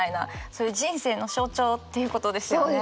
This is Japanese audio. それ人生の象徴っていうことですよね？